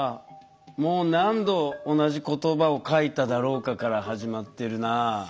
「もう何度同じ言葉を書いただろうか」から始まってるな。